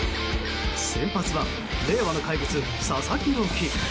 先発は令和の怪物、佐々木朗希。